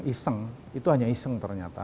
iseng itu hanya iseng ternyata